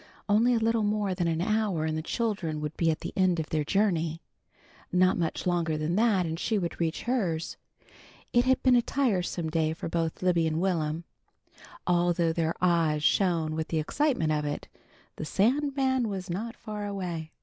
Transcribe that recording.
Only a little more than an hour, and the children would be at the end of their journey. Not much longer than that and she would reach hers. It had been a tiresome day for both Libby and Will'm. Although their eyes shone with the excitement of it, the Sandman was not far away.